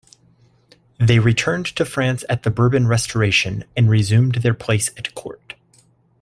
They returned to France at the Bourbon Restoration, and resumed their place at court.